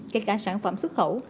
kể cả sản phẩm xuất khẩu